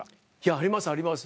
ありますあります。